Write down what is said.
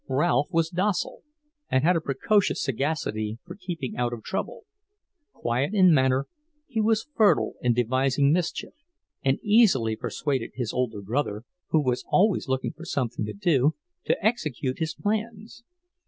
Ralph was docile, and had a precocious sagacity for keeping out of trouble. Quiet in manner, he was fertile in devising mischief, and easily persuaded his older brother, who was always looking for something to do, to execute his plans.